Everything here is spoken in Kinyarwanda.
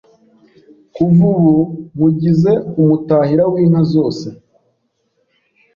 kuva ubu nkugize umutahira w’inka zo se